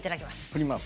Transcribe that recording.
振ります。